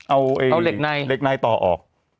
เอาเหล็กในเหล็กในต่อออก